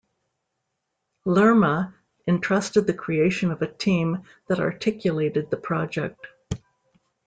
Lerma entrusted the creation of a team that articulated the project.